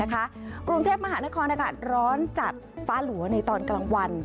กรุงเทพมหานครอากาศร้อนจัดฟ้าหลัวในตอนกลางวัน